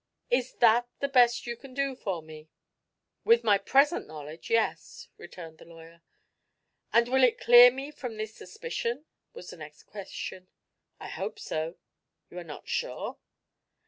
"Is that the best you can do for me?" "With my present knowledge, yes," returned the lawyer. "And will it clear me from this suspicion?" was the next question. "I hope so." "You are not sure?"